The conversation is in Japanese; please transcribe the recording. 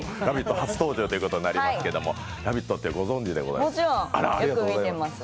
初登場ということになりますけれども、「ラヴィット！」ってご存じですか？